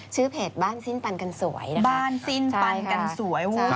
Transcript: ชื่อเพจบ้านสิ้นปันกันสวยนะคะบ้านสิ้นปันกันสวยโอ้โหช่วยมากค่ะ